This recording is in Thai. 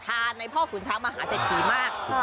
ทาในพ่อคุณช้างมหาเศษภีร์มาก